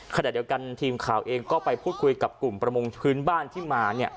ขณะเดียวกันทีมข่าวเองก็ไปพูดคุยกับกลุ่มประมงพื้นบ้านที่มาเนี่ย